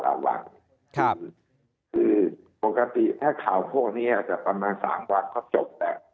พอถือถ้าข่าวของนี้จะประมาน๓วันก็จบแหละ